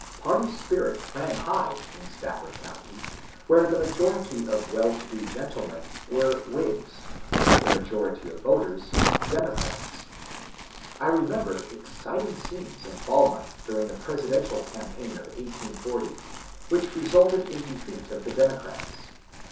Party spirit ran high in Stafford County, where the major PARTY SPIRIT 16 ity of well to do gentleinen were Whigs, the majority of voters Democrats. I remember exciting scenes in Falmouth during the presidential campaign of 1840, which resulted in defeat of the Democrats.